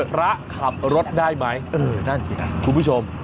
พระขับรถได้ไหมเออนั่นสิคุณผู้ชม